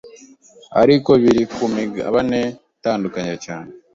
ariko biri ku migabane itandukanye cyane